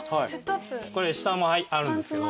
これ下もあるんですけど。